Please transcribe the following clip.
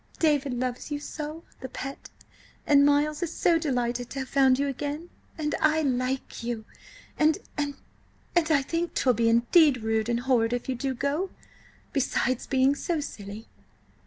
"David loves you so, the pet! and Miles is so delighted to have found you again–and I like you–and–and–and I think 'twill be indeed rude and horrid if you do go–besides being so silly!"